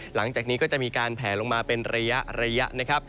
หลังจากนี้ก็จะมีการแผลลงมาเป็นระยะนะครับ